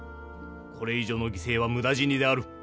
これ以上の犠牲は無駄死にである。